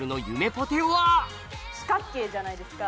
ぽては四角形じゃないですか。